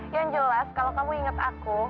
yang jelas kalau kamu ingat aku